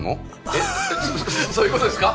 えっそういうことですか？